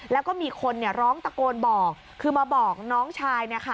แล้วก็มีคนร้องตะโกนบอกคือมาบอกน้องชาย